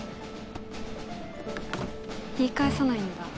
言い返さないんだ？